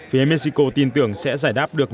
với mexico tin tưởng sẽ giải đáp được